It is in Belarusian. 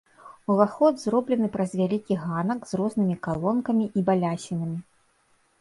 Уваход зроблены праз вялікі ганак з разнымі калонкамі і балясінамі.